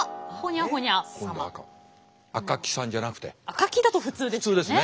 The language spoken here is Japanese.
赤木だと普通ですね。